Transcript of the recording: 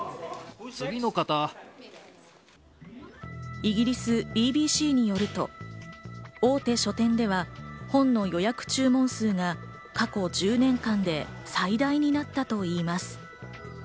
イギリスＢＢＣによると、大手書店では本の予約注文数が過去１０年間で最大になったといいます。